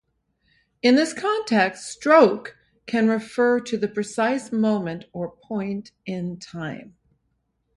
In this context, "stroke" can refer to the precise moment or point in time.